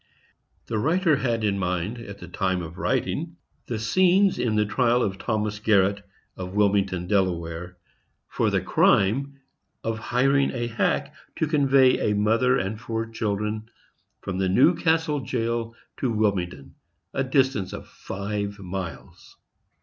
The writer had in mind, at the time of writing, the scenes in the trial of Thomas Garret, of Wilmington, Delaware, for the crime of hiring a hack to convey a mother and four children from Newcastle jail to Wilmington, a distance of five miles.